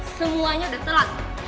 semuanya udah telat